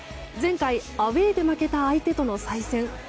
前回、アウェーで負けた相手との再戦。